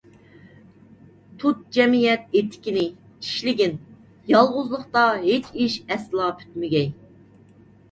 تۇت جەمئىيەت ئېتىكىنى، ئىشلىگىن، يالغۇزلۇقتا ھېچ ئىش ئەسلا پۈتمىگەي.